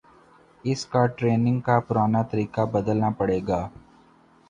اس کا ٹریننگ کا پرانا طریقہ بدلنا پڑے گا